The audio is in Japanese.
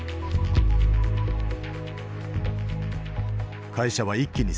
会社は一気に成長。